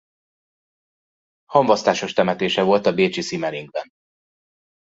Hamvasztásos temetése volt a bécsi Simmering-ben.